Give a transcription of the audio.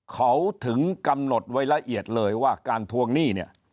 เขาถึงกำหนดไว้ละเอียดเลยว่าการทวงหนี้เนี่ย